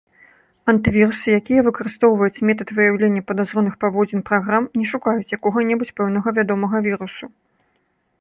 Антывірусы, якія выкарыстоўваюць метад выяўлення падазроных паводзін праграм, не шукаюць якога-небудзь пэўнага вядомага віруса.